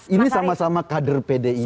ini sama sama kader pdip loh